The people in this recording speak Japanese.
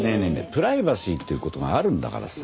プライバシーっていう事があるんだからさ。